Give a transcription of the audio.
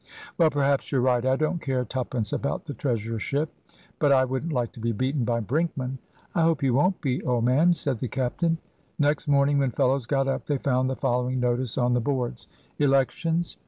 "Well, perhaps you're right. I don't care twopence about the treasurership, but I wouldn't like to be beaten by Brinkman." "I hope you won't be, old man," said the captain. Next morning, when fellows got up, they found the following notice on the boards: "Elections.